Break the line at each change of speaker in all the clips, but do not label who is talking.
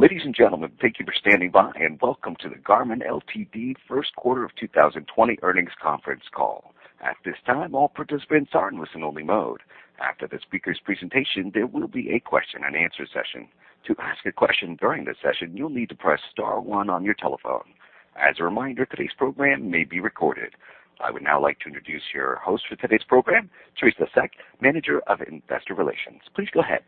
Ladies and gentlemen, thank you for standing by, and welcome to the Garmin Ltd first quarter of 2020 earnings conference call. At this time, all participants are in listen-only mode. After the speaker's presentation, there will be a question-and-answer session. To ask a question during the session, you'll need to press star one on your telephone. As a reminder, today's program may be recorded. I would now like to introduce your host for today's program, Theresa Seck, Manager of Investor Relations. Please go ahead.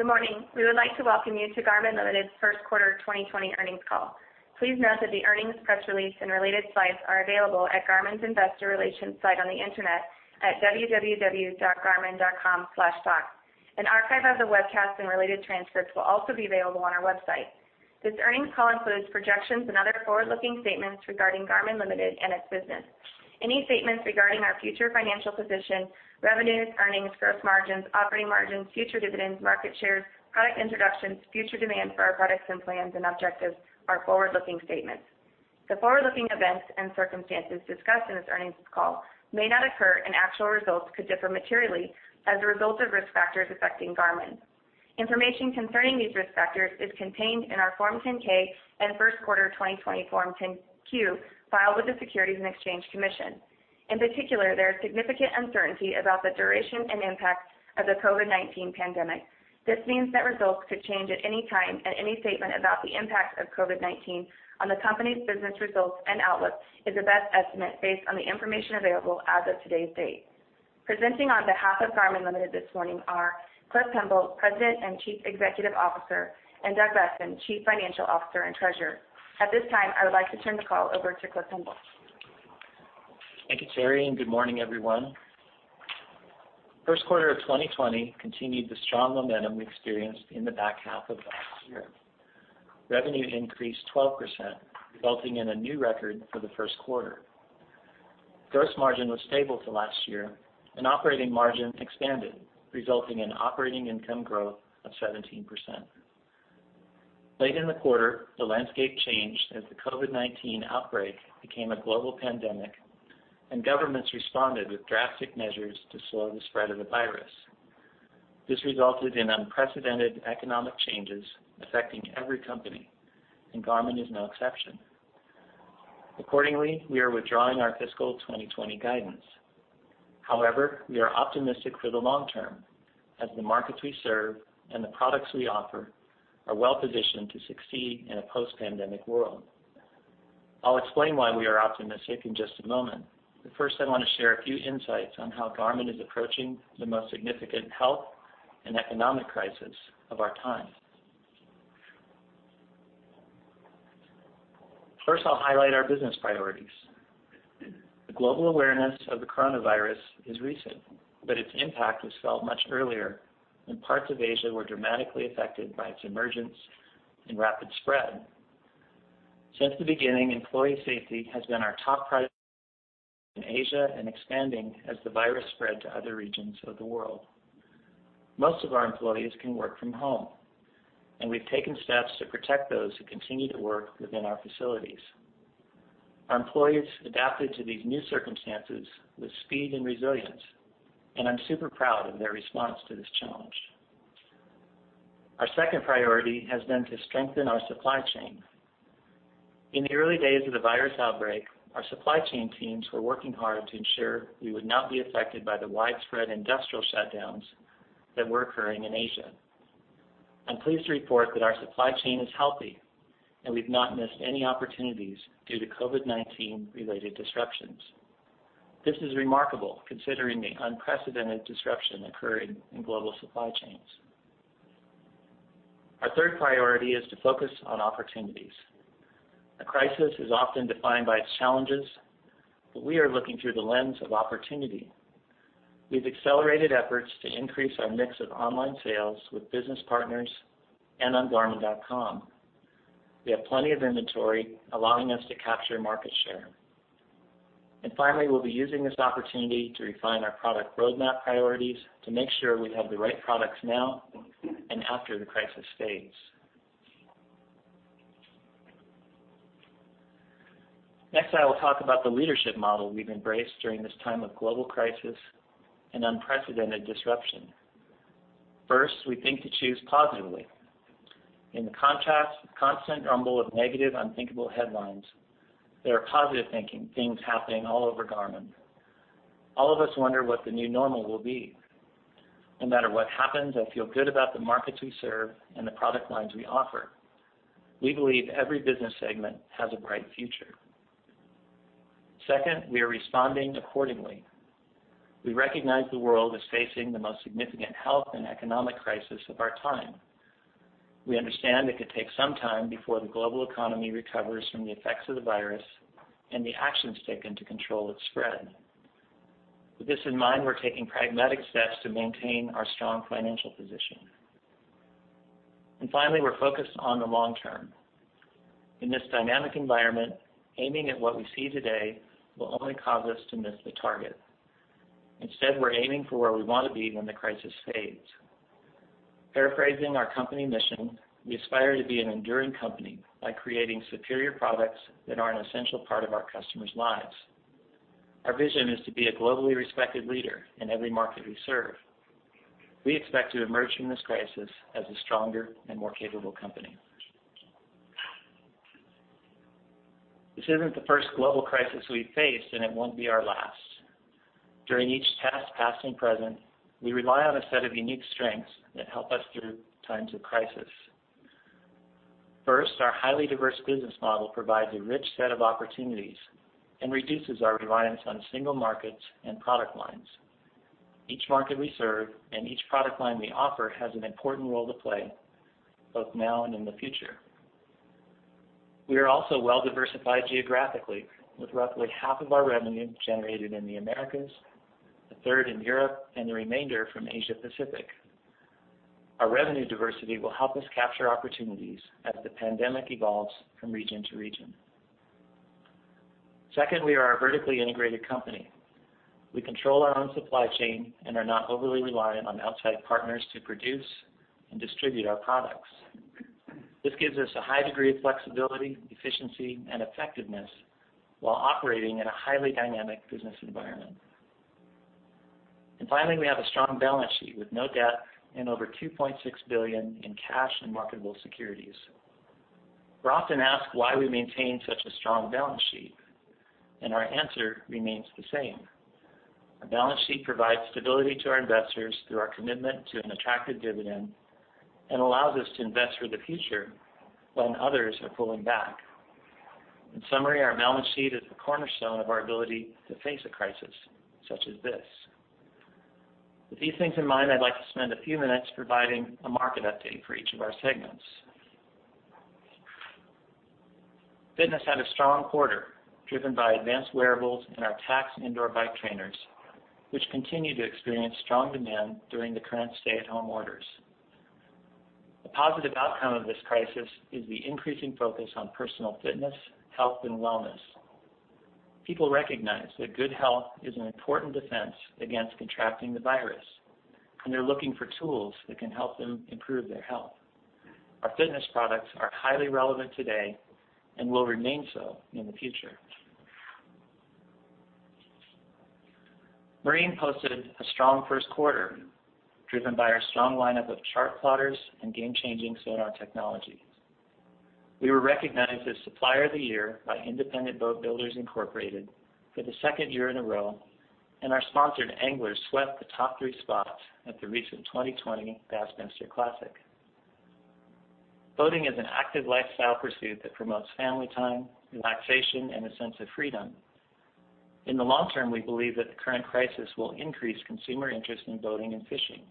Good morning. We would like to welcome you to Garmin Ltd's first quarter 2020 earnings call. Please note that the earnings press release and related slides are available at Garmin's investor relations site on the internet at www.garmin.com/docs. An archive of the webcast and related transcripts will also be available on our website. This earnings call includes projections and other forward-looking statements regarding Garmin Ltd and its business. Any statements regarding our future financial position, revenues, earnings, gross margins, operating margins, future dividends, market shares, product introductions, future demand for our products, and plans and objectives are forward-looking statements. The forward-looking events and circumstances discussed in this earnings call may not occur, and actual results could differ materially as a result of risk factors affecting Garmin. Information concerning these risk factors is contained in our Form 10-K and first quarter 2020 Form 10-Q filed with the Securities and Exchange Commission. In particular, there is significant uncertainty about the duration and impact of the COVID-19 pandemic. This means that results could change at any time, and any statement about the impact of COVID-19 on the company's business results and outlook is the best estimate based on the information available as of today's date. Presenting on behalf of Garmin Ltd this morning are Cliff Pemble, President and Chief Executive Officer; and Doug Boessen, Chief Financial Officer and Treasurer. At this time, I would like to turn the call over to Cliff Pemble.
Thank you, Teri, and good morning, everyone. First quarter of 2020 continued the strong momentum we experienced in the back half of last year. Revenue increased 12%, resulting in a new record for the first quarter. Gross margin was stable to last year, and operating margin expanded, resulting in operating income growth of 17%. Late in the quarter, the landscape changed as the COVID-19 outbreak became a global pandemic and governments responded with drastic measures to slow the spread of the virus. This resulted in unprecedented economic changes affecting every company, and Garmin is no exception. Accordingly, we are withdrawing our fiscal 2020 guidance. However, we are optimistic for the long term as the markets we serve and the products we offer are well-positioned to succeed in a post-pandemic world. I'll explain why we are optimistic in just a moment, but first I want to share a few insights on how Garmin is approaching the most significant health and economic crisis of our time. First, I'll highlight our business priorities. The global awareness of the coronavirus is recent, but its impact was felt much earlier, when parts of Asia were dramatically affected by its emergence and rapid spread. Since the beginning, employee safety has been our top priority in Asia and expanding as the virus spread to other regions of the world. Most of our employees can work from home, and we've taken steps to protect those who continue to work within our facilities. Our employees adapted to these new circumstances with speed and resilience, and I'm super proud of their response to this challenge. Our second priority has been to strengthen our supply chain. In the early days of the virus outbreak, our supply chain teams were working hard to ensure we would not be affected by the widespread industrial shutdowns that were occurring in Asia. I'm pleased to report that our supply chain is healthy, and we've not missed any opportunities due to COVID-19 related disruptions. This is remarkable considering the unprecedented disruption occurring in global supply chains. Our third priority is to focus on opportunities. A crisis is often defined by its challenges, we are looking through the lens of opportunity. We've accelerated efforts to increase our mix of online sales with business partners and on garmin.com. We have plenty of inventory, allowing us to capture market share. Finally, we'll be using this opportunity to refine our product roadmap priorities to make sure we have the right products now and after the crisis fades. Next, I will talk about the leadership model we've embraced during this time of global crisis and unprecedented disruption. First, we think to choose positively. In the constant rumble of negative, unthinkable headlines, there are positive-thinking things happening all over Garmin. All of us wonder what the new normal will be. No matter what happens, I feel good about the markets we serve and the product lines we offer. We believe every business segment has a bright future. Second, we are responding accordingly. We recognize the world is facing the most significant health and economic crisis of our time. We understand it could take some time before the global economy recovers from the effects of the virus and the actions taken to control its spread. With this in mind, we're taking pragmatic steps to maintain our strong financial position. Finally, we're focused on the long term. In this dynamic environment, aiming at what we see today will only cause us to miss the target. Instead, we're aiming for where we want to be when the crisis fades. Paraphrasing our company mission, we aspire to be an enduring company by creating superior products that are an essential part of our customers' lives. Our vision is to be a globally respected leader in every market we serve. We expect to emerge from this crisis as a stronger and more capable company. This isn't the first global crisis we've faced, and it won't be our last. During each test, past and present, we rely on a set of unique strengths that help us through times of crisis. First, our highly diverse business model provides a rich set of opportunities and reduces our reliance on single markets and product lines. Each market we serve and each product line we offer has an important role to play, both now and in the future. We are also well-diversified geographically, with roughly half of our revenue generated in the Americas, a third in Europe, and the remainder from Asia Pacific. Our revenue diversity will help us capture opportunities as the pandemic evolves from region to region. Second, we are a vertically integrated company. We control our own supply chain and are not overly reliant on outside partners to produce and distribute our products. This gives us a high degree of flexibility, efficiency, and effectiveness while operating in a highly dynamic business environment. Finally, we have a strong balance sheet with no debt and over $2.6 billion in cash and marketable securities. We're often asked why we maintain such a strong balance sheet, and our answer remains the same. A balance sheet provides stability to our investors through our commitment to an attractive dividend and allows us to invest for the future when others are pulling back. In summary, our balance sheet is the cornerstone of our ability to face a crisis such as this. With these things in mind, I'd like to spend a few minutes providing a market update for each of our segments. Fitness had a strong quarter, driven by advanced wearables and our Tacx indoor bike trainers, which continue to experience strong demand during the current stay-at-home orders. The positive outcome of this crisis is the increasing focus on personal fitness, health, and wellness. People recognize that good health is an important defense against contracting the virus, and they're looking for tools that can help them improve their health. Our fitness products are highly relevant today and will remain so in the future. Marine posted a strong first quarter, driven by our strong lineup of chart plotters and game-changing sonar technologies. We were recognized as Supplier of the Year by Independent Boat Builders, Incorporated for the second year in a row, and our sponsored anglers swept the top three spots at the recent 2020 Bassmaster Classic. Boating is an active lifestyle pursuit that promotes family time, relaxation, and a sense of freedom. In the long term, we believe that the current crisis will increase consumer interest in boating and fishing.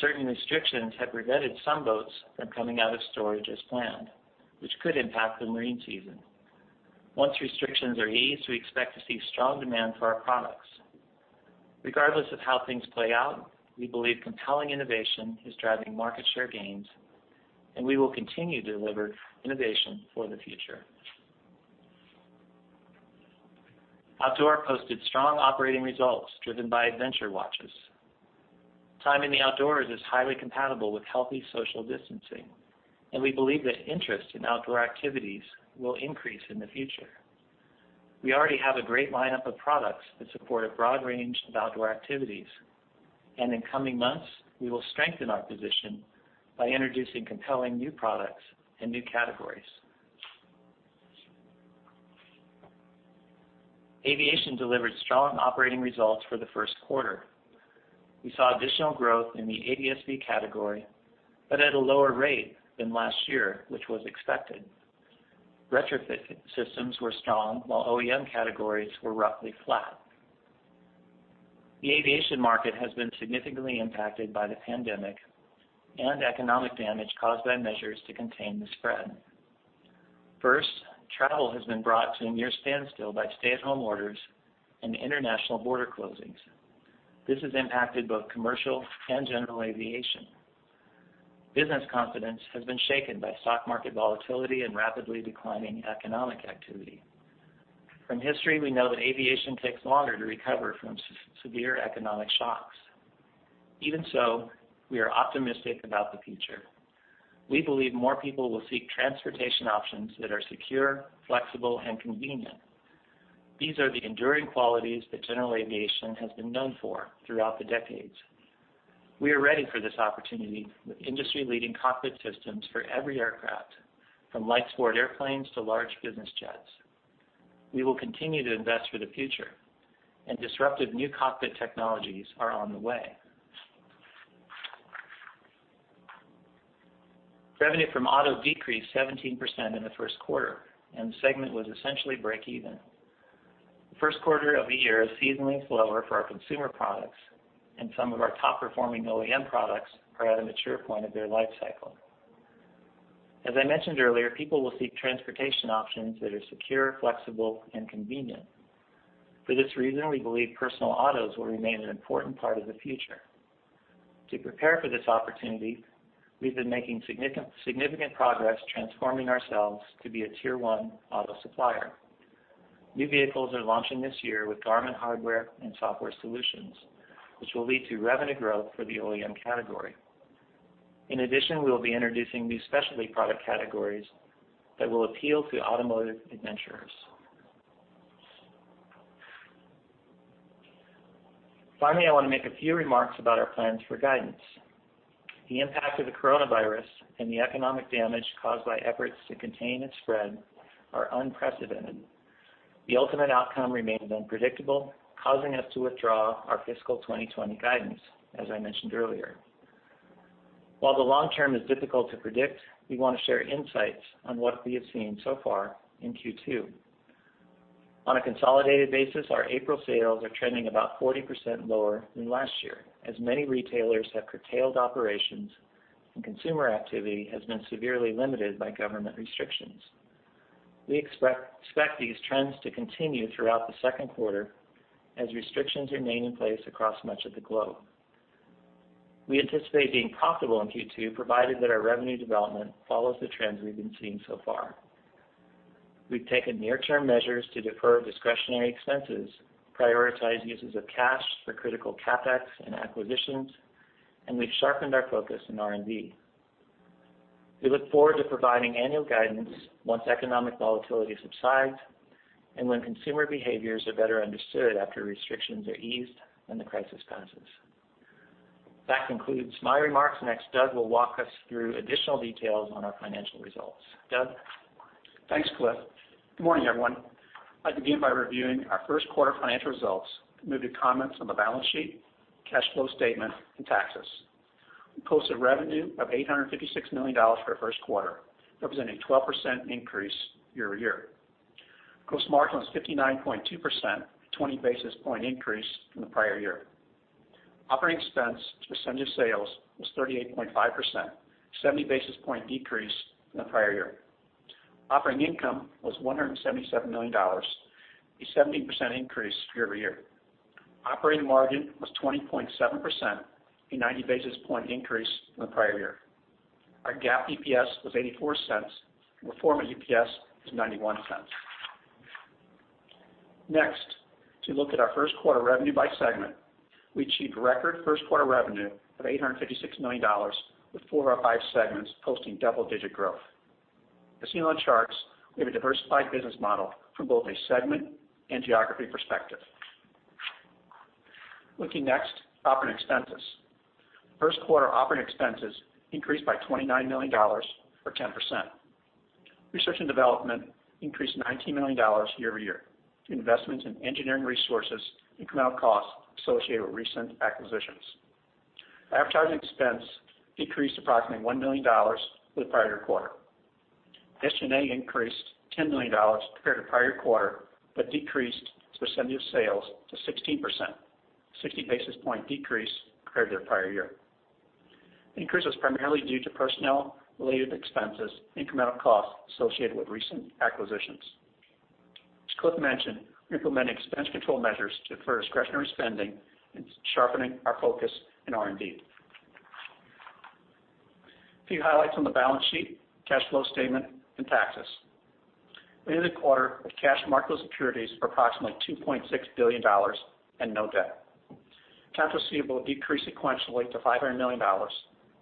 Certain restrictions have prevented some boats from coming out of storage as planned, which could impact the marine season. Once restrictions are eased, we expect to see strong demand for our products. Regardless of how things play out, we believe compelling innovation is driving market share gains, and we will continue to deliver innovation for the future. Outdoor posted strong operating results driven by adventure watches. Time in the outdoors is highly compatible with healthy social distancing, and we believe that interest in outdoor activities will increase in the future. We already have a great lineup of products that support a broad range of outdoor activities, and in coming months, we will strengthen our position by introducing compelling new products and new categories. Aviation delivered strong operating results for the first quarter. We saw additional growth in the ADS-B category, but at a lower rate than last year, which was expected. Retrofit systems were strong, while OEM categories were roughly flat. The aviation market has been significantly impacted by the pandemic and economic damage caused by measures to contain the spread. First, travel has been brought to a near standstill by stay-at-home orders and international border closings. This has impacted both commercial and general aviation. Business confidence has been shaken by stock market volatility and rapidly declining economic activity. From history, we know that aviation takes longer to recover from severe economic shocks. Even so, we are optimistic about the future. We believe more people will seek transportation options that are secure, flexible, and convenient. These are the enduring qualities that general aviation has been known for throughout the decades. We are ready for this opportunity with industry-leading cockpit systems for every aircraft, from light sport airplanes to large business jets. We will continue to invest for the future, and disruptive new cockpit technologies are on the way. Revenue from Auto decreased 17% in the first quarter, and the segment was essentially break even. The first quarter of the year is seasonally slower for our consumer products, and some of our top-performing OEM products are at a mature point in their life cycle. As I mentioned earlier, people will seek transportation options that are secure, flexible, and convenient. For this reason, we believe personal autos will remain an important part of the future. To prepare for this opportunity, we've been making significant progress transforming ourselves to be a Tier 1 auto supplier. New vehicles are launching this year with Garmin hardware and software solutions, which will lead to revenue growth for the OEM category. In addition, we will be introducing new specialty product categories that will appeal to automotive adventurers. Finally, I want to make a few remarks about our plans for guidance. The impact of the coronavirus and the economic damage caused by efforts to contain its spread are unprecedented. The ultimate outcome remains unpredictable, causing us to withdraw our fiscal 2020 guidance as I mentioned earlier. While the long term is difficult to predict, we want to share insights on what we have seen so far in Q2. On a consolidated basis, our April sales are trending about 40% lower than last year, as many retailers have curtailed operations, and consumer activity has been severely limited by government restrictions. We expect these trends to continue throughout the second quarter as restrictions remain in place across much of the globe. We anticipate being profitable in Q2, provided that our revenue development follows the trends we've been seeing so far. We've taken near-term measures to defer discretionary expenses, prioritize uses of cash for critical CapEx and acquisitions, and we've sharpened our focus in R&D. We look forward to providing annual guidance once economic volatility subsides and when consumer behaviors are better understood after restrictions are eased and the crisis passes. That concludes my remarks. Next, Doug will walk us through additional details on our financial results. Doug?
Thanks, Cliff. Good morning, everyone. I'll begin by reviewing our first quarter financial results, and move to comments on the balance sheet, cash flow statement, and taxes. We posted revenue of $856 million for the first quarter, representing a 12% increase year-over-year. Gross margin was 59.2%, a 20-basis-point increase from the prior year. Operating expense as a percentage of sales was 38.5%, a 70-basis-point decrease from the prior year. Operating income was $177 million, a 17% increase year-over-year. Operating margin was 20.7%, a 90-basis-point increase from the prior year. Our GAAP EPS was $0.84, and pro forma EPS was $0.91. Next, to look at our first quarter revenue by segment. We achieved record first quarter revenue of $856 million, with four of our five segments posting double-digit growth. As seen on the charts, we have a diversified business model from both a segment and geography perspective. Looking next, operating expenses. First quarter operating expenses increased by $29 million or 10%. Research and development increased $19 million year-over-year, due to investments in engineering resources and incremental costs associated with recent acquisitions. Advertising expense decreased approximately $1 million for the prior quarter. SG&A increased $10 million compared to prior quarter, but decreased as a percentage of sales to 16%, a 60 basis point decrease compared to the prior year. The increase was primarily due to personnel-related expenses and incremental costs associated with recent acquisitions. As Cliff mentioned, we're implementing expense control measures to defer discretionary spending and sharpening our focus in R&D. A few highlights on the balance sheet, cash flow statement, and taxes. We ended the quarter with cash and marketable securities of approximately $2.6 billion and no debt. Accounts receivable decreased sequentially to $500 million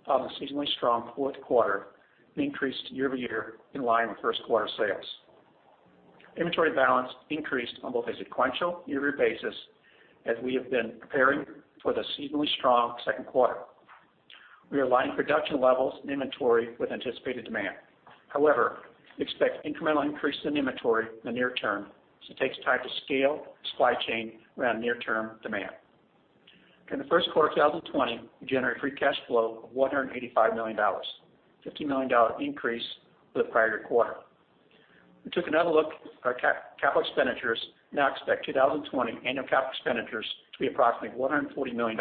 following a seasonally strong fourth quarter and increased year-over-year in line with first quarter sales. Inventory balance increased on both a sequential and year-over-year basis as we have been preparing for the seasonally strong second quarter. We are aligning production levels and inventory with anticipated demand. However, we expect incremental increases in inventory in the near term, as it takes time to scale the supply chain around near-term demand. In the first quarter of 2020, we generated free cash flow of $185 million, a $50 million increase for the prior quarter. We took another look at our capital expenditures and now expect 2020 annual capital expenditures to be approximately $140 million.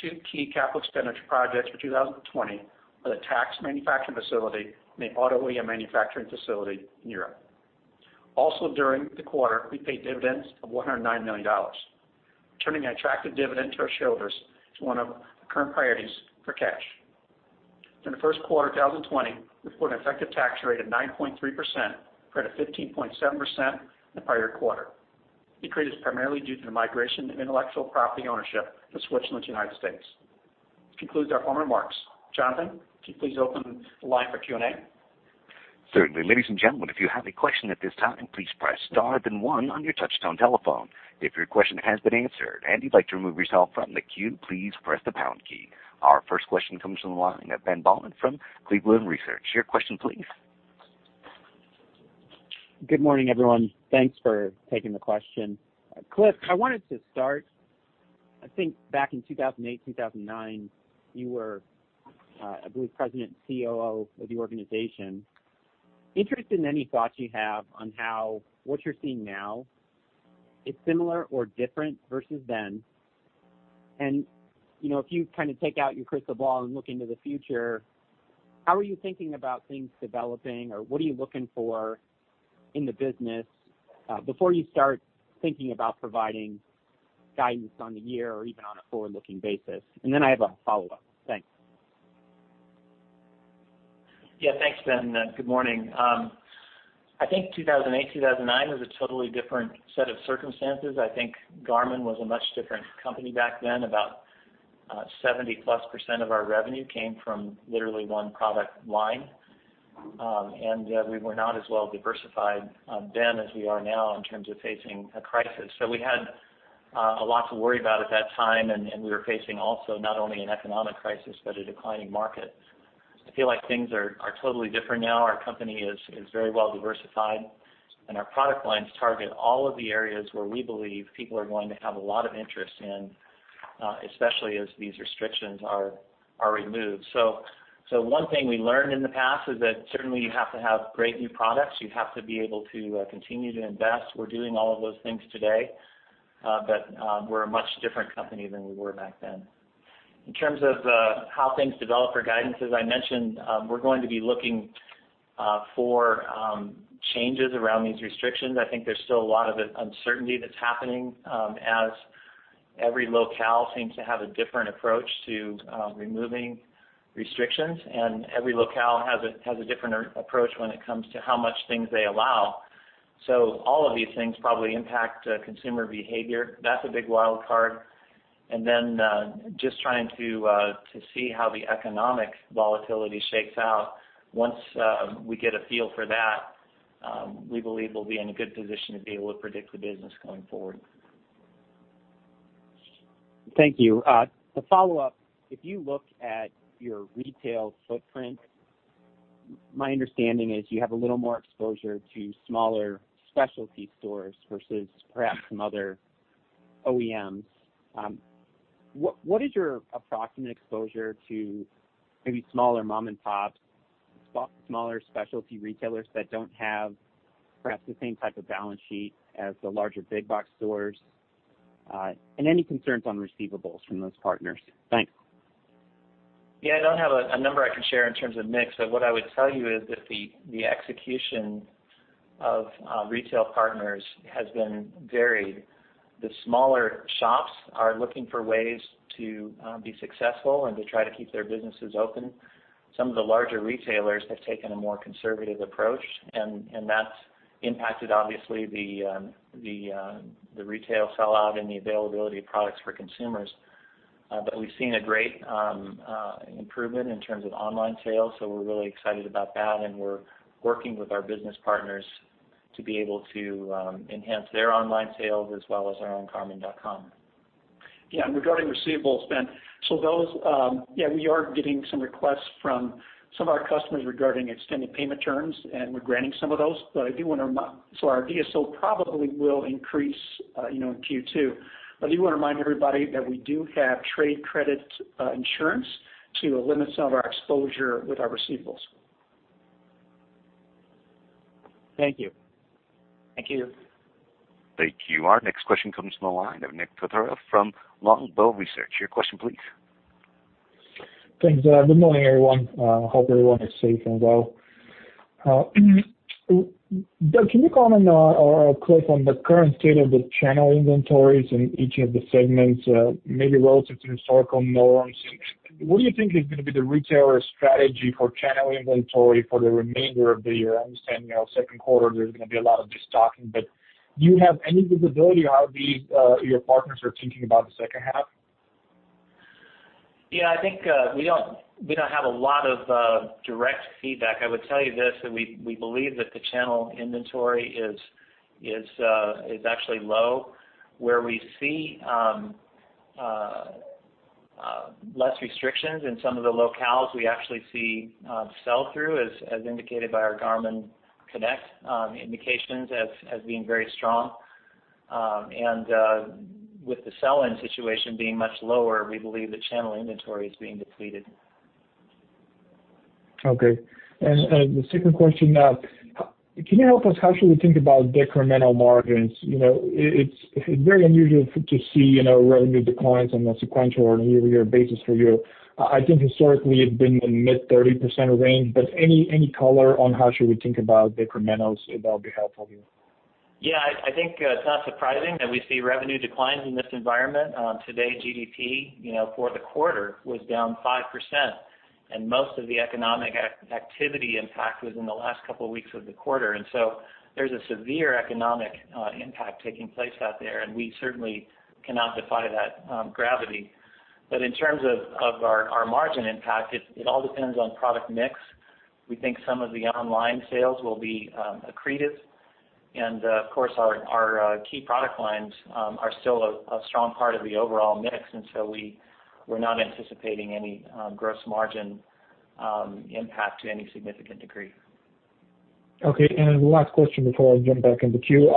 Two key capital expenditure projects for 2020 are the Tacx manufacturing facility and the auto OEM manufacturing facility in Europe. Also, during the quarter, we paid dividends of $109 million. Returning attractive dividend to our shareholders is one of the current priorities for cash. During the first quarter of 2020, we report an effective tax rate of 9.3%, compared to 15.7% in the prior quarter. The decrease is primarily due to the migration of intellectual property ownership from Switzerland to the U.S. This concludes our formal remarks. Jonathan, can you please open the line for Q&A?
Certainly. Ladies and gentlemen, if you have a question at this time, please press star then one on your touch-tone telephone. If your question has been answered and you'd like to remove yourself from the queue, please press the pound key. Our first question comes from the line of Ben Bollin from Cleveland Research. Your question please.
Good morning, everyone. Thanks for taking the question. Cliff, I wanted to start, I think back in 2008, 2009, you were, I believe, President and COO of the organization. Interested in any thoughts you have on how what you're seeing now is similar or different versus then. If you kind of take out your crystal ball and look into the future, how are you thinking about things developing, or what are you looking for in the business before you start thinking about providing guidance on the year or even on a forward-looking basis? Then I have a follow-up. Thanks.
Thanks, Ben. Good morning. I think 2008, 2009 was a totally different set of circumstances. I think Garmin was a much different company back then. About 70%+ of our revenue came from literally one product line. We were not as well diversified then as we are now in terms of facing a crisis. We had a lot to worry about at that time, and we were facing also not only an economic crisis, but a declining market. I feel like things are totally different now. Our company is very well diversified, and our product lines target all of the areas where we believe people are going to have a lot of interest in, especially as these restrictions are removed. One thing we learned in the past is that certainly you have to have great new products. You have to be able to continue to invest. We're doing all of those things today. We're a much different company than we were back then. In terms of how things develop for guidance, as I mentioned, we're going to be looking for changes around these restrictions. I think there's still a lot of uncertainty that's happening, as every locale seems to have a different approach to removing restrictions, and every locale has a different approach when it comes to how much things they allow. All of these things probably impact consumer behavior. That's a big wild card. Just trying to see how the economic volatility shakes out. Once we get a feel for that, we believe we'll be in a good position to be able to predict the business going forward.
Thank you. To follow up, if you look at your retail footprint, my understanding is you have a little more exposure to smaller specialty stores versus perhaps some other OEMs. What is your approximate exposure to maybe smaller mom and pops, smaller specialty retailers that don't have perhaps the same type of balance sheet as the larger big box stores? Any concerns on receivables from those partners? Thanks.
Yeah. I don't have a number I can share in terms of mix, but what I would tell you is that the execution of retail partners has been varied. The smaller shops are looking for ways to be successful and to try to keep their businesses open. Some of the larger retailers have taken a more conservative approach, and that's impacted, obviously, the retail sell-out and the availability of products for consumers. We've seen a great improvement in terms of online sales, so we're really excited about that, and we're working with our business partners to be able to enhance their online sales as well as our own garmin.com.
Regarding receivables, Ben, we are getting some requests from some of our customers regarding extended payment terms, and we're granting some of those. Our DSO probably will increase in Q2. I do want to remind everybody that we do have trade credit insurance to limit some of our exposure with our receivables.
Thank you.
Thank you.
Thank you. Our next question comes from the line of Nik Todorov from Longbow Research. Your question please.
Thanks. Good morning, everyone. Hope everyone is safe and well. Doug, can you comment or quote on the current state of the channel inventories in each of the segments, maybe relative to historical norms? What do you think is going to be the retailer strategy for channel inventory for the remainder of the year? I understand second quarter, there's going to be a lot of destocking, do you have any visibility on how your partners are thinking about the second half?
Yeah, I think we don't have a lot of direct feedback. I would tell you this, that we believe that the channel inventory is actually low. Where we see less restrictions in some of the locales, we actually see sell-through, as indicated by our Garmin Connect indications, as being very strong. With the sell-in situation being much lower, we believe the channel inventory is being depleted.
Okay. The second question, can you help us, how should we think about incremental margins? It's very unusual to see revenue declines on a sequential or year-over-year basis for you. I think historically, it's been the mid 30% range. Any color on how should we think about incrementals, that'll be helpful.
Yeah, I think it's not surprising that we see revenue declines in this environment. Today, GDP for the quarter was down 5%, and most of the economic activity impact was in the last couple of weeks of the quarter. There's a severe economic impact taking place out there, and we certainly cannot defy that gravity. In terms of our margin impact, it all depends on product mix. We think some of the online sales will be accretive. Of course, our key product lines are still a strong part of the overall mix, and so we're not anticipating any gross margin impact to any significant degree.
Okay, one last question before I jump back in the queue.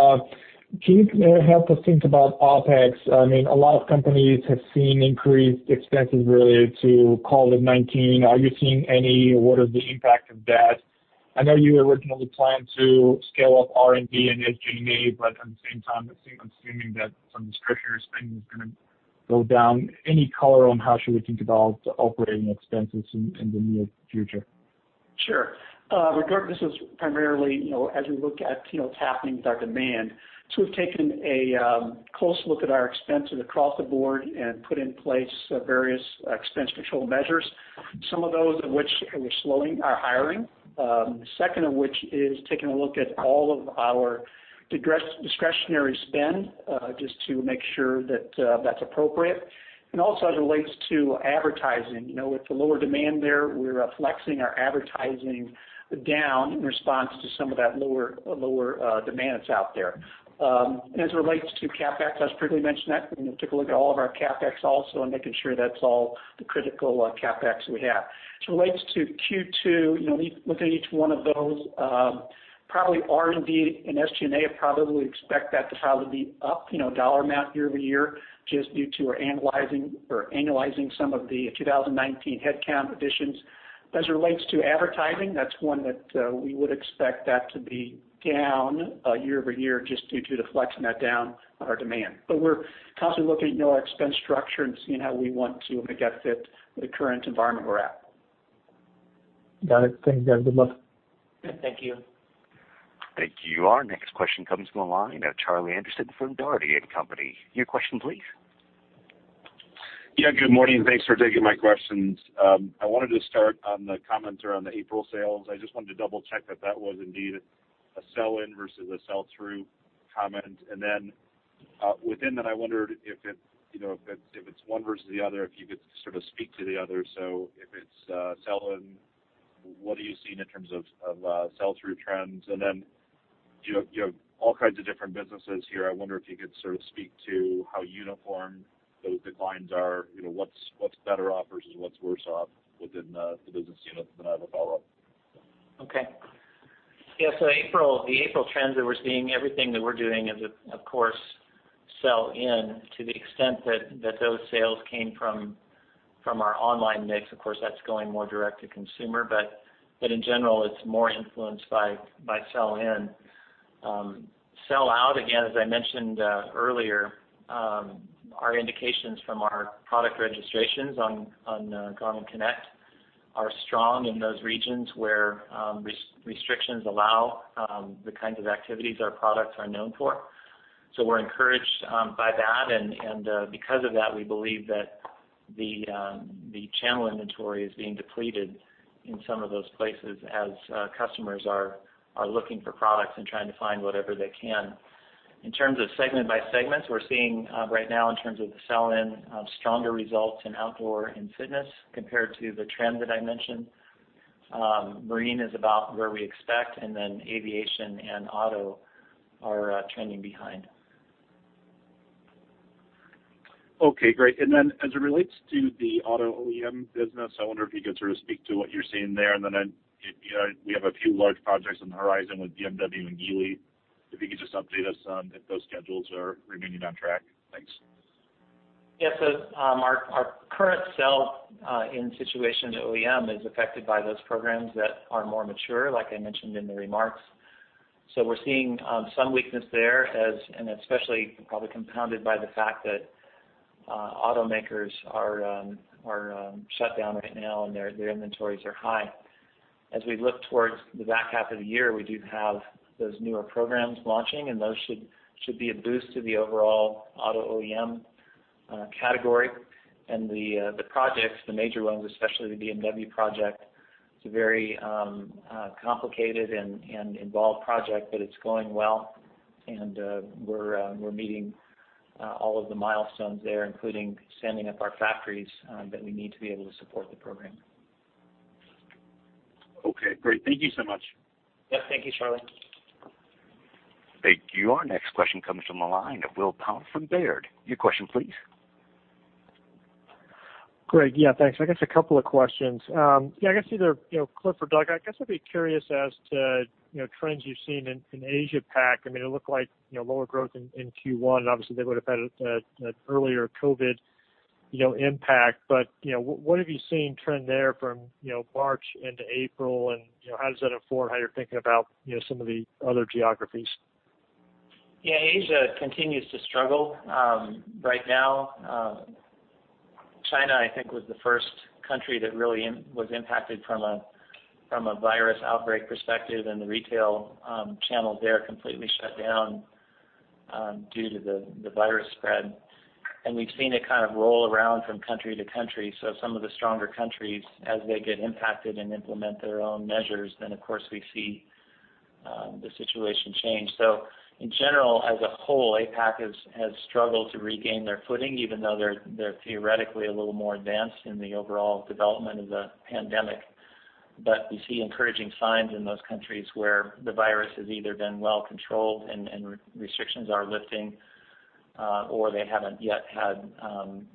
Can you help us think about OpEx? A lot of companies have seen increased expenses related to COVID-19. Are you seeing any? What is the impact of that? I know you originally planned to scale up R&D and SG&A, but at the same time, I'm assuming that some of the stricter spending is going to go down. Any color on how should we think about operating expenses in the near future?
Sure. This is primarily as we look at what's happening with our demand. We've taken a close look at our expenses across the board and put in place various expense control measures. Some of those of which we're slowing our hiring. Second of which is taking a look at all of our discretionary spend, just to make sure that's appropriate. Also as it relates to advertising. With the lower demand there, we're flexing our advertising down in response to some of that lower demand that's out there. As it relates to CapEx, as Cliff mentioned that, we took a look at all of our CapEx also and making sure that's all the critical CapEx we have. As it relates to Q2, looking at each one of those, probably R&D and SG&A, probably expect that to be up dollar amount year-over-year, just due to our annualizing some of the 2019 headcount additions. As it relates to advertising, that's one that we would expect that to be down year-over-year just due to the flexing that down on our demand. We're constantly looking at our expense structure and seeing how we want to make that fit the current environment we're at.
Got it. Thanks, guys. Good luck.
Thank you.
Thank you. Our next question comes from the line of Charlie Anderson from Dougherty & Company. Your question, please.
Yeah, good morning. Thanks for taking my questions. I wanted to start on the comments around the April sales. I just wanted to double check that that was indeed a sell-in versus a sell-through comment. Within that, I wondered if it's one versus the other, if you could sort of speak to the other. If it's sell-in, what are you seeing in terms of sell-through trends? You have all kinds of different businesses here. I wonder if you could sort of speak to how uniform those declines are. What's better off versus what's worse off within the business units? I have a follow-up.
Okay. Yeah, the April trends that we're seeing, everything that we're doing is, of course, sell-in to the extent that those sales came from our online mix. Of course, that's going more direct to consumer. In general, it's more influenced by sell-in. Sell-out, again, as I mentioned earlier, our indications from our product registrations on Garmin Connect are strong in those regions where restrictions allow the kinds of activities our products are known for. We're encouraged by that, and because of that, we believe that the channel inventory is being depleted in some of those places as customers are looking for products and trying to find whatever they can. In terms of segment by segments, we're seeing right now in terms of the sell-in, stronger results in outdoor and fitness compared to the trend that I mentioned. Marine is about where we expect, and then aviation and auto are trending behind.
Okay, great. As it relates to the auto OEM business, I wonder if you could sort of speak to what you're seeing there, we have a few large projects on the horizon with BMW and Geely. If you could just update us on if those schedules are remaining on track. Thanks.
Yeah. Our current sell-in situation to OEM is affected by those programs that are more mature, like I mentioned in the remarks. We're seeing some weakness there and especially probably compounded by the fact that automakers are shut down right now and their inventories are high. As we look towards the back half of the year, we do have those newer programs launching, and those should be a boost to the overall auto OEM category. The projects, the major ones, especially the BMW project, it's a very complicated and involved project, but it's going well. We're meeting all of the milestones there, including standing up our factories that we need to be able to support the program.
Okay, great. Thank you so much.
Yeah. Thank you, Charlie.
Thank you. Our next question comes from the line of Will Power from Baird. Your question, please.
Greg, yeah, thanks. I got a couple of questions. Yeah, I guess either Cliff or Doug, I'd be curious as to trends you've seen in Asia PAC. It looked like lower growth in Q1, and obviously they would've had an earlier COVID-19 impact. What have you seen trend there from March into April, and how does that afford how you're thinking about some of the other geographies?
Yeah. Asia continues to struggle right now. China, I think, was the first country that really was impacted from a virus outbreak perspective, and the retail channels there completely shut down due to the virus spread. We've seen it kind of roll around from country to country. Some of the stronger countries, as they get impacted and implement their own measures, then of course, we see the situation change. In general, as a whole, APAC has struggled to regain their footing, even though they're theoretically a little more advanced in the overall development of the pandemic. We see encouraging signs in those countries where the virus has either been well controlled and restrictions are lifting, or they haven't yet had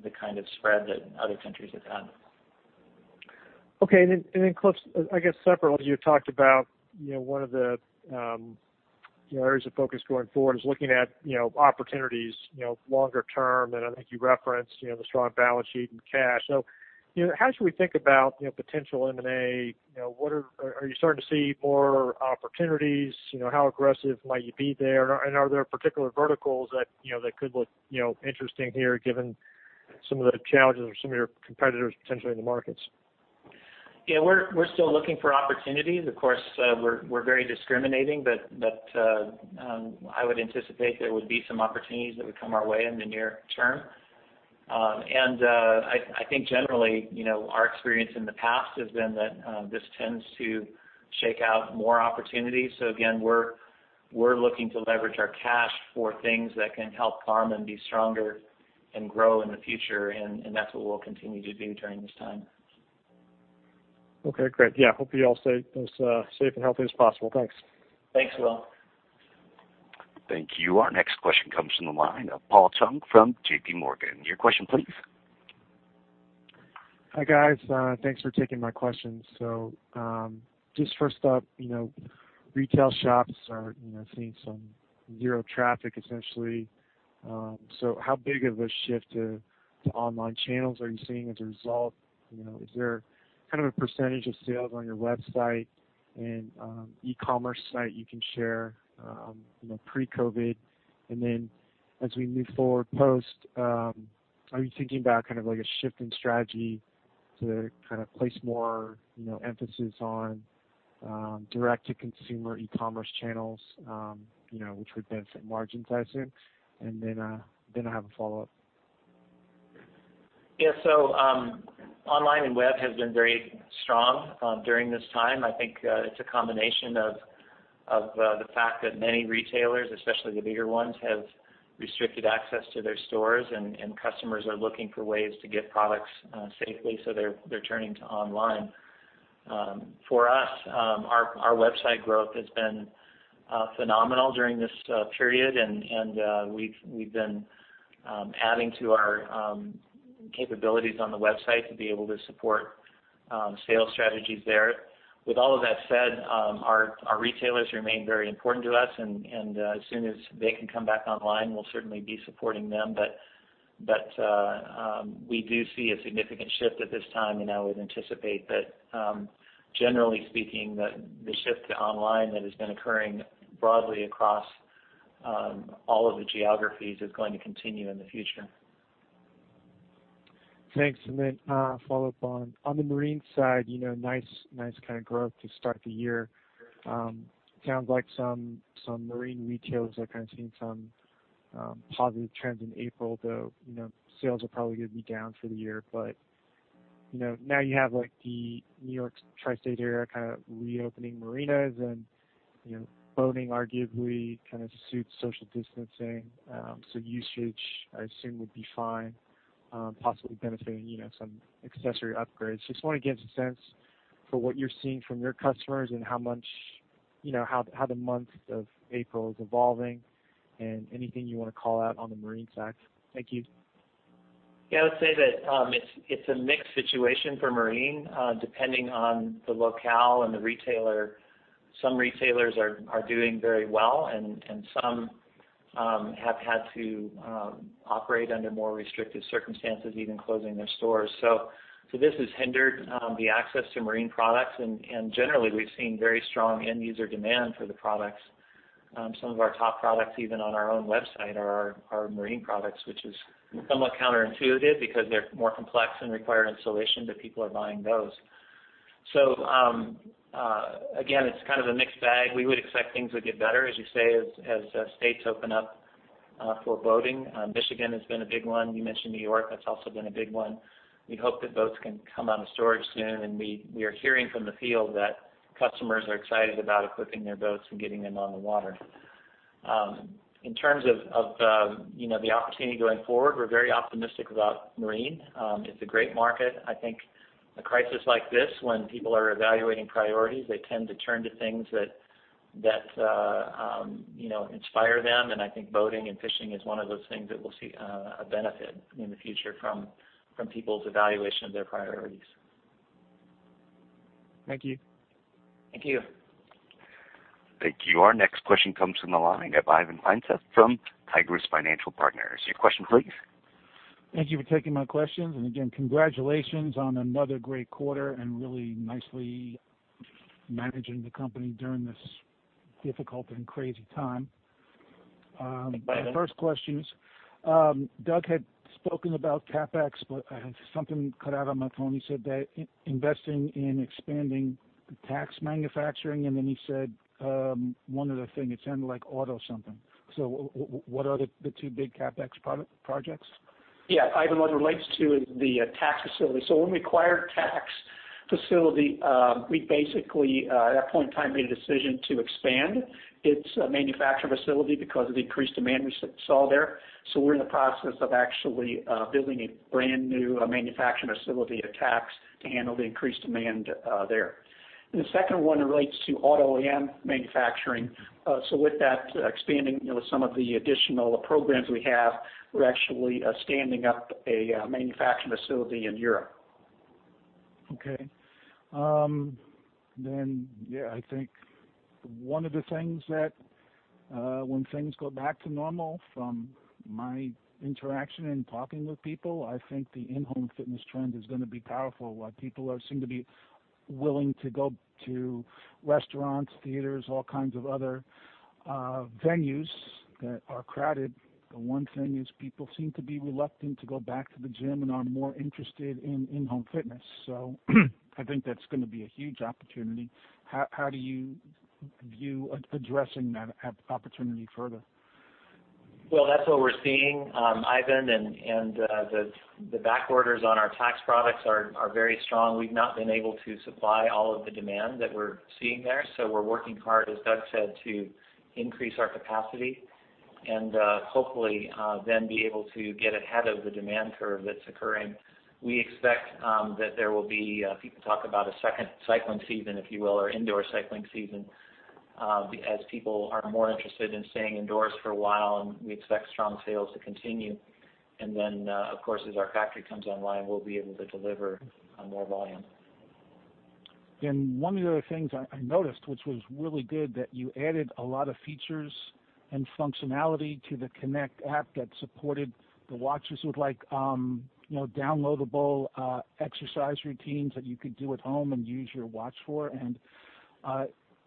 the kind of spread that other countries have had.
Okay. Cliff, I guess separately, you talked about one of the areas of focus going forward is looking at opportunities longer term, and I think you referenced the strong balance sheet and cash. How should we think about potential M&A? Are you starting to see more opportunities? How aggressive might you be there? Are there particular verticals that could look interesting here given some of the challenges of some of your competitors potentially in the markets?
Yeah, we're still looking for opportunities. Of course, we're very discriminating, but I would anticipate there would be some opportunities that would come our way in the near term. I think generally, our experience in the past has been that this tends to shake out more opportunities. Again, we're looking to leverage our cash for things that can help Garmin be stronger and grow in the future, and that's what we'll continue to do during this time.
Okay, great. Yeah, hope you all stay as safe and healthy as possible. Thanks.
Thanks, Will.
Thank you. Our next question comes from the line of Paul Chung from JPMorgan. Your question, please.
Hi, guys. Thanks for taking my questions. Just first up, retail shops are seeing some zero traffic, essentially. How big of a shift to online channels are you seeing as a result? Is there kind of a percentage of sales on your website and e-commerce site you can share pre-COVID-19? As we move forward post, are you thinking about kind of a shift in strategy to kind of place more emphasis on direct-to-consumer e-commerce channels which would benefit margin, I assume? I have a follow-up.
Yeah. Online and web has been very strong during this time. I think it's a combination of the fact that many retailers, especially the bigger ones, have restricted access to their stores, and customers are looking for ways to get products safely, so they're turning to online. For us, our website growth has been phenomenal during this period, and we've been adding to our capabilities on the website to be able to support sales strategies there. With all of that said, our retailers remain very important to us, and as soon as they can come back online, we'll certainly be supporting them. We do see a significant shift at this time, and I would anticipate that, generally speaking, that the shift to online that has been occurring broadly across all of the geographies is going to continue in the future.
Thanks. Follow-up on the Marine side, nice kind of growth to start the year. Sounds like some Marine retailers are kind of seeing some positive trends in April, though sales are probably going to be down for the year. Now you have the New York tri-state area kind of reopening marinas and boating arguably kind of suits social distancing. Usage, I assume, would be fine, possibly benefiting some accessory upgrades. Just want to get some sense for what you're seeing from your customers and how the month of April is evolving and anything you want to call out on the marine side. Thank you.
Yeah, I would say that it's a mixed situation for Marine, depending on the locale and the retailer. Some retailers are doing very well, and some have had to operate under more restrictive circumstances, even closing their stores. This has hindered the access to Marine products, and generally, we've seen very strong end user demand for the products. Some of our top products, even on our own website, are our marine products, which is somewhat counterintuitive because they're more complex and require installation, but people are buying those. Again, it's kind of a mixed bag. We would expect things would get better, as you say, as states open up for boating. Michigan has been a big one. You mentioned New York. That's also been a big one. We hope that boats can come out of storage soon, and we are hearing from the field that customers are excited about equipping their boats and getting them on the water. In terms of the opportunity going forward, we're very optimistic about marine. It's a great market. I think a crisis like this, when people are evaluating priorities, they tend to turn to things that inspire them, and I think boating and fishing is one of those things that will see a benefit in the future from people's evaluation of their priorities.
Thank you.
Thank you.
Thank you. Our next question comes from the line of Ivan Feinseth from Tigress Financial Partners. Your question please.
Thank you for taking my questions, and again, congratulations on another great quarter and really nicely managing the company during this difficult and crazy time.
Thank you, Ivan.
My first question is, Doug had spoken about CapEx, but something cut out on my phone. He said that investing in expanding the Tacx manufacturing, and then he said one other thing, it sounded like auto something. What are the two big CapEx projects?
Ivan, what relates to the Tacx facility. When we acquired Tacx facility, we basically, at that point in time, made a decision to expand its manufacturing facility because of the increased demand we saw there. We're in the process of actually building a brand new manufacturing facility at Tacx to handle the increased demand there. The second one relates to auto OEM manufacturing. With that expanding some of the additional programs we have, we're actually standing up a manufacturing facility in Europe.
Okay. I think one of the things that when things go back to normal, from my interaction in talking with people, I think the in-home fitness trend is going to be powerful. While people seem to be willing to go to restaurants, theaters, all kinds of other venues that are crowded. The one thing is people seem to be reluctant to go back to the gym and are more interested in in-home fitness. I think that's going to be a huge opportunity. How do you view addressing that opportunity further?
That's what we're seeing, Ivan, and the back orders on our Tacx products are very strong. We've not been able to supply all of the demand that we're seeing there, so we're working hard, as Doug said, to increase our capacity and hopefully then be able to get ahead of the demand curve that's occurring. We expect that there will be, people talk about a second cycling season, if you will, or indoor cycling season, as people are more interested in staying indoors for a while, and we expect strong sales to continue. Of course, as our factory comes online, we'll be able to deliver on more volume.
One of the other things I noticed, which was really good, that you added a lot of features and functionality to the Connect app that supported the watches with downloadable exercise routines that you could do at home and use your watch for.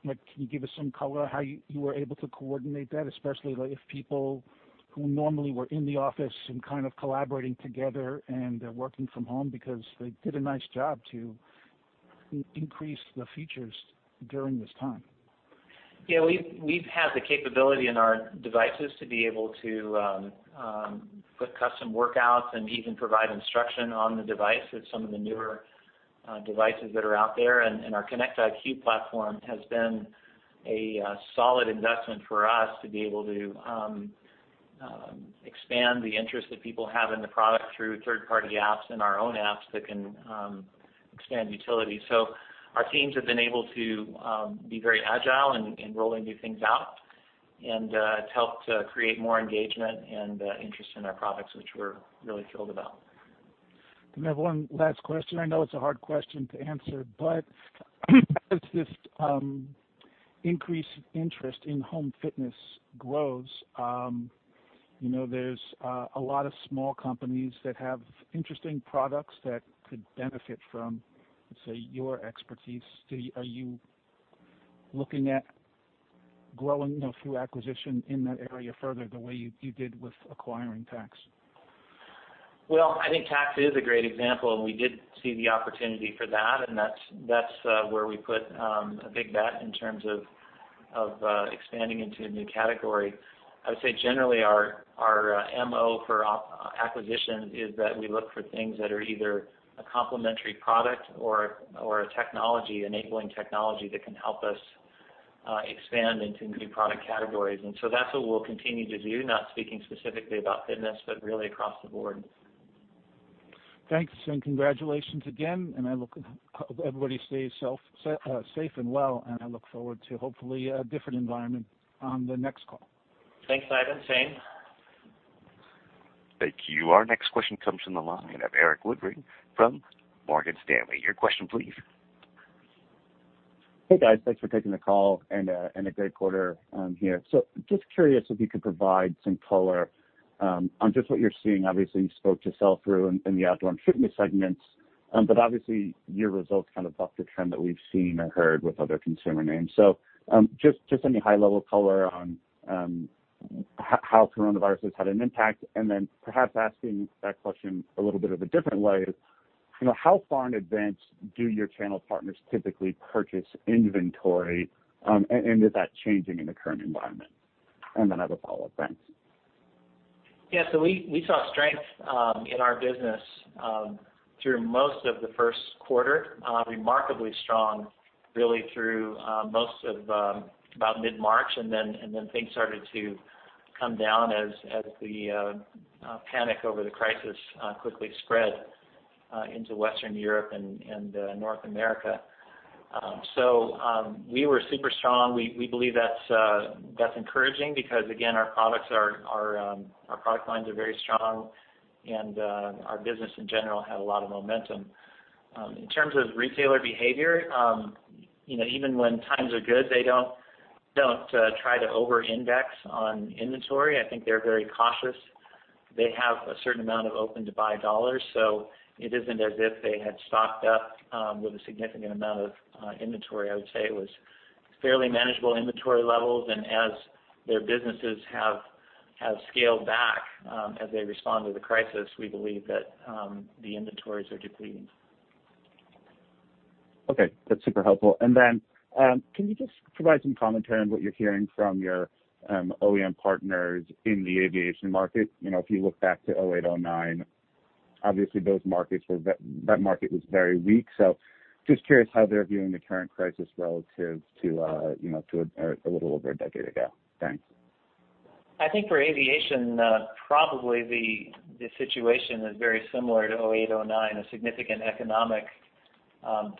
Can you give us some color how you were able to coordinate that, especially if people who normally were in the office and collaborating together and working from home, because they did a nice job to increase the features during this time.
Yeah, we've had the capability in our devices to be able to put custom workouts and even provide instruction on the device with some of the newer devices that are out there. Our Connect IQ platform has been a solid investment for us to be able to expand the interest that people have in the product through third-party apps and our own apps that can expand utility. Our teams have been able to be very agile in rolling new things out, and it's helped to create more engagement and interest in our products, which we're really thrilled about.
I have one last question. I know it's a hard question to answer, as this increase of interest in home fitness grows, there's a lot of small companies that have interesting products that could benefit from, let's say, your expertise. Are you looking at growing through acquisition in that area further, the way you did with acquiring Tacx?
Well, I think Tacx is a great example, and we did see the opportunity for that, and that's where we put a big bet in terms of expanding into a new category. I would say generally our MO for acquisition is that we look for things that are either a complementary product or enabling technology that can help us expand into new product categories. That's what we'll continue to do, not speaking specifically about fitness, but really across the board.
Thanks, and congratulations again, and I hope everybody stays safe and well, and I look forward to hopefully a different environment on the next call.
Thanks, Ivan. Same.
Thank you. Our next question comes from the line of Erik Woodring from Morgan Stanley. Your question please.
Hey, guys. Thanks for taking the call, a great quarter here. Just curious if you could provide some color on just what you're seeing. Obviously, you spoke to sell-through in the outdoor and fitness segments, obviously, your results kind of buck the trend that we've seen or heard with other consumer names. Just any high-level color on how coronavirus has had an impact, perhaps asking that question a little bit of a different way is, how far in advance do your channel partners typically purchase inventory, and is that changing in the current environment? I have a follow-up. Thanks.
Yeah, we saw strength in our business through most of the first quarter, remarkably strong, really through most of about mid-March, and then things started to come down as the panic over the crisis quickly spread into Western Europe and North America. We were super strong. We believe that's encouraging because, again, our product lines are very strong and our business in general had a lot of momentum. In terms of retailer behavior, even when times are good, they don't try to over-index on inventory. I think they're very cautious. They have a certain amount of open-to-buy dollars, so it isn't as if they had stocked up with a significant amount of inventory. I would say it was fairly manageable inventory levels, and as their businesses have scaled back as they respond to the crisis, we believe that the inventories are depleting.
Okay, that's super helpful. Can you just provide some commentary on what you're hearing from your OEM partners in the aviation market? If you look back to 2008, 2009, obviously that market was very weak. Just curious how they're viewing the current crisis relative to a little over a decade ago. Thanks.
I think for aviation, probably the situation is very similar to 2008, 2009, a significant economic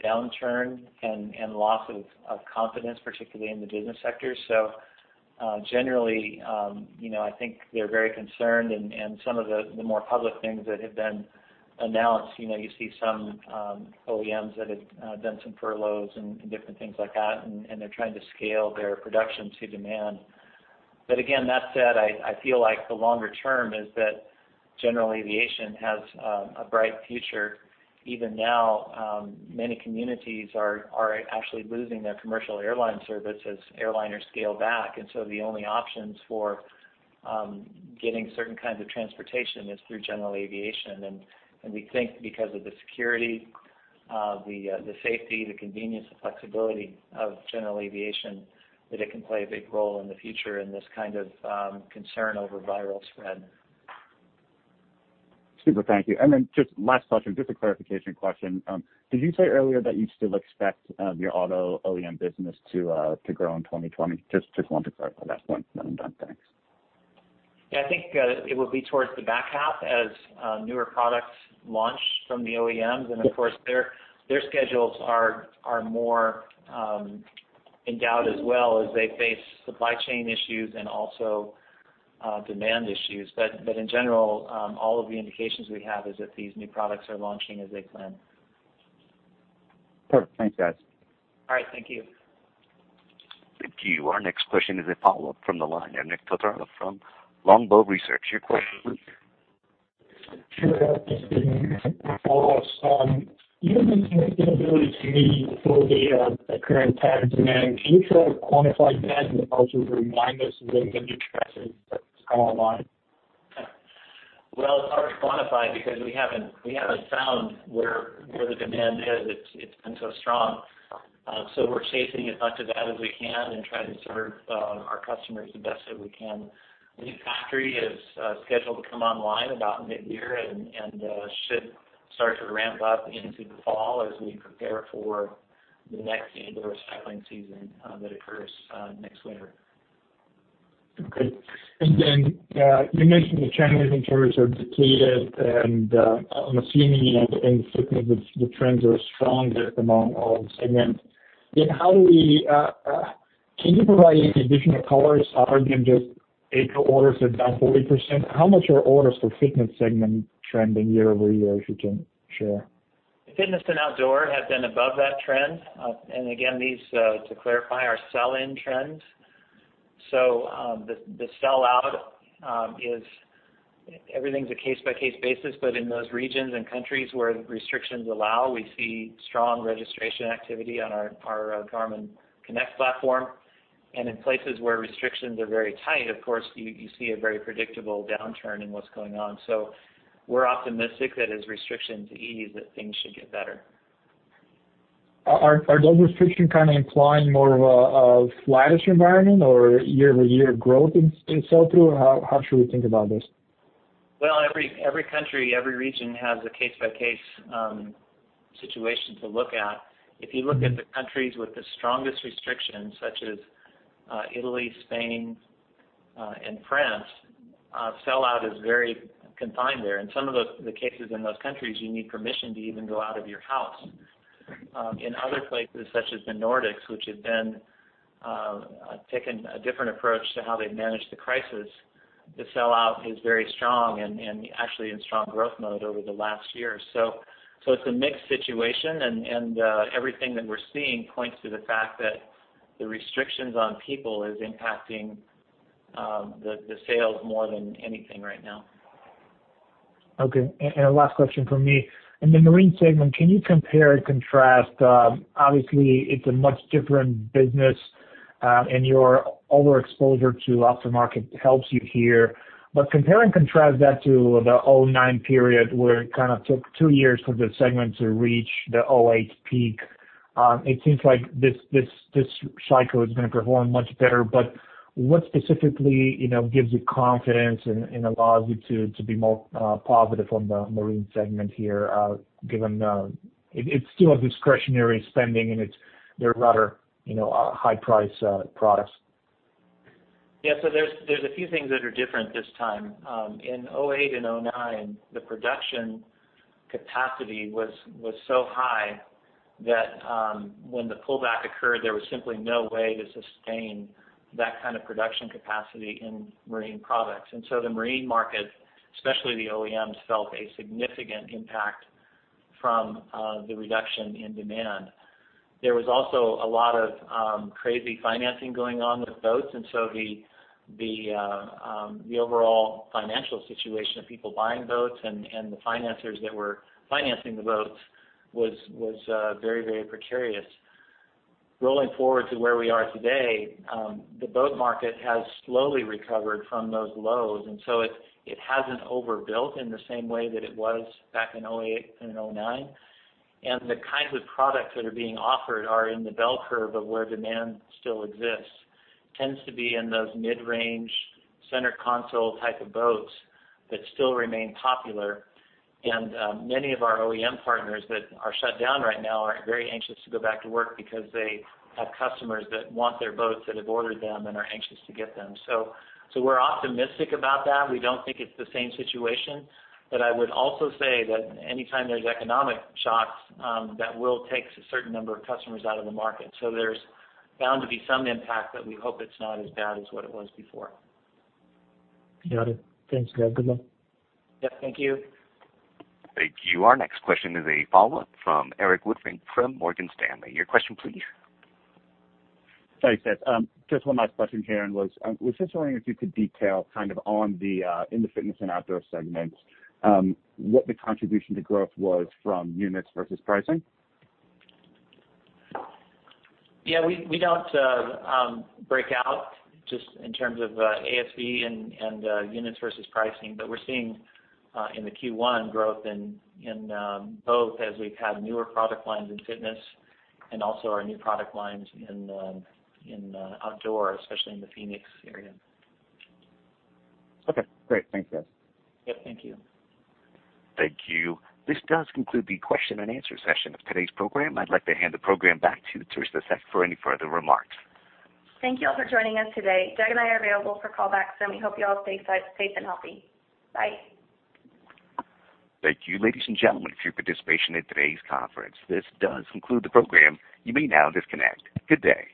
downturn and loss of confidence, particularly in the business sector. Generally, I think they're very concerned, and some of the more public things that have been announced, you see some OEMs that have done some furloughs and different things like that, and they're trying to scale their production to demand. Again, that said, I feel like the longer term is that general aviation has a bright future. Even now, many communities are actually losing their commercial airline service as airliners scale back. The only options for getting certain kinds of transportation is through general aviation. We think because of the security, the safety, the convenience, the flexibility of general aviation, that it can play a big role in the future in this kind of concern over viral spread.
Super. Thank you. Just last question, just a clarification question. Did you say earlier that you still expect your auto OEM business to grow in 2020? Just wanted to clarify that point. I'm done. Thanks.
Yeah, I think it will be towards the back half as newer products launch from the OEMs. Of course, their schedules are more in doubt as well as they face supply chain issues and also demand issues. In general, all of the indications we have is that these new products are launching as they planned.
Perfect. Thanks, guys.
All right. Thank you.
Thank you. Our next question is a follow-up from the line. Nik Todorov from Longbow Research. Your question please.
Sure. This is Nik with follow-ups. You had mentioned the inability to meet the full current demand. Can you try to quantify that and also remind us of the industry capacity that's come online?
Well, it's hard to quantify because we haven't found where the demand is. It's been so strong. We're chasing as much of that as we can and trying to serve our customers the best that we can. The new factory is scheduled to come online about mid-year and should start to ramp up into the fall as we prepare for the next indoor cycling season that occurs next winter.
Okay. Then, you mentioned the trends in terms of decade and I'm assuming, I think, because the trends are strong among all the segments. Can you provide any additional color aside than just April orders are down 40%? How much are orders for fitness segment trending year-over-year, if you can share?
Fitness and outdoor have been above that trend. Again, these, to clarify, are sell-in trends. The sell out is everything's a case-by-case basis, but in those regions and countries where restrictions allow, we see strong registration activity on our Garmin Connect platform. In places where restrictions are very tight, of course, you see a very predictable downturn in what's going on. We're optimistic that as restrictions ease, that things should get better.
Are those restrictions kind of implying more of a flattish environment or year-over-year growth in sell through? Or how should we think about this?
Well, every country, every region has a case-by-case situation to look at. If you look at the countries with the strongest restrictions, such as Italy, Spain, and France, sell out is very confined there. In some of the cases in those countries, you need permission to even go out of your house. In other places, such as the Nordics, which have taken a different approach to how they've managed the crisis, the sell out is very strong and actually in strong growth mode over the last year. It's a mixed situation, and everything that we're seeing points to the fact that the restrictions on people is impacting the sales more than anything right now.
Okay. Last question from me. In the marine segment, can you compare and contrast? Obviously, it's a much different business, and your overexposure to aftermarket helps you here. But compare and contrast that to the 2009 period, where it kind of took two years for the segment to reach the 2008 peak. It seems like this cycle is going to perform much better, but what specifically gives you confidence and allows you to be more positive on the marine segment here, given it's still a discretionary spending, and they're rather high-priced products?
Yeah. There's a few things that are different this time. In 2008 and 2009, the production capacity was so high that when the pullback occurred, there was simply no way to sustain that kind of production capacity in marine products. The marine market, especially the OEMs, felt a significant impact from the reduction in demand. There was also a lot of crazy financing going on with boats, and so the overall financial situation of people buying boats and the financers that were financing the boats was very, very precarious. Rolling forward to where we are today, the boat market has slowly recovered from those lows, and so it hasn't overbuilt in the same way that it was back in 2008 and 2009. The kinds of products that are being offered are in the bell curve of where demand still exists, tends to be in those mid-range, center console type of boats that still remain popular. Many of our OEM partners that are shut down right now are very anxious to go back to work because they have customers that want their boats, that have ordered them and are anxious to get them. We're optimistic about that. We don't think it's the same situation. I would also say that any time there's economic shocks, that will take a certain number of customers out of the market. There's bound to be some impact, but we hope it's not as bad as what it was before.
Got it. Thanks, guys. Good luck.
Yeah. Thank you.
Thank you. Our next question is a follow-up from Erik Woodring from Morgan Stanley. Your question, please.
Sorry, Seth. Just one last question here. I was just wondering if you could detail, kind of in the fitness and outdoor segments, what the contribution to growth was from units versus pricing?
Yeah, we don't break out just in terms of ASP and units versus pricing. We're seeing in the Q1 growth in both as we've had newer product lines in fitness and also our new product lines in outdoor, especially in the fēnix area.
Okay, great. Thanks, guys.
Yeah. Thank you.
Thank you. This does conclude the question and answer session of today's program. I'd like to hand the program back to Theresa Seck for any further remarks.
Thank you all for joining us today. Doug and I are available for callbacks, and we hope you all stay safe and healthy. Bye.
Thank you, ladies and gentlemen, for your participation in today's conference. This does conclude the program. You may now disconnect. Good day.